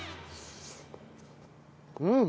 うん。